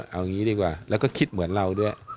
เอาอย่างนี้ดีกว่าแล้วก็คิดเหมือนเราด้วย